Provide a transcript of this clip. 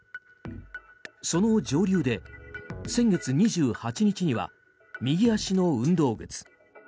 その上流で先月２８日には右足の運動靴